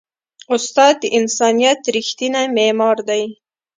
استاد د انسانیت ریښتینی معمار دی.